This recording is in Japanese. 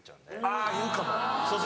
あぁ言うかも。